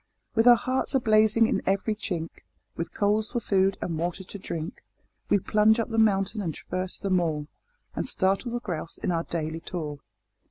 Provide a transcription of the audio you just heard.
With our hearts a blazing in every chink, With coals for food and water to drink, We plunge up the mountain and traverse the moor, And startle the grouse in our daily tour.